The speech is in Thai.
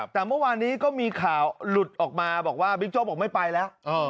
แต่เมื่อวานนี้ก็มีข่าวหลุดออกมาบอกว่าบิ๊กโจ๊กบอกไม่ไปแล้ว